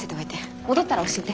戻ったら教えて。